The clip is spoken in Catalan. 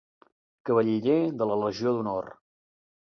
Cavaller de la Legió d'Honor.